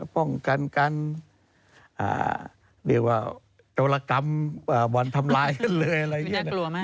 ป้องกันการกรกรรมบอลทำลายกันเลย